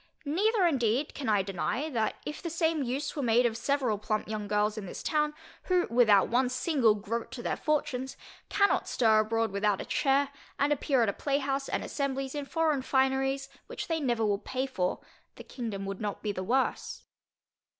Neither indeed can I deny, that if the same use were made of several plump young girls in this town, who without one single groat to their fortunes, cannot stir abroad without a chair, and appear at a playhouse and assemblies in foreign fineries which they never will pay for, the kingdom would not be the worse.